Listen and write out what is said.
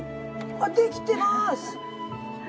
あっできてまーす！